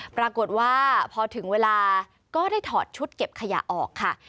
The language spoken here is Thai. ปรากฏว่าพอถึงเวลาก็ได้ถอดชุดเก็บขยะออกค่ะ